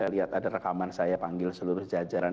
lihat ada rekaman saya panggil seluruh jajaran